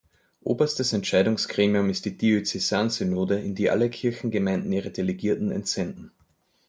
Oberstes Entscheidungsgremium ist die Diözesan-Synode, in die alle Kirchengemeinden ihre Delegierten entsenden.